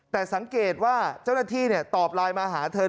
แต่สังเกตว่าเจ้าหน้าที่ตอบไลน์มาหาเธอ